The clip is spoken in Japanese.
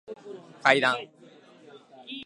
階段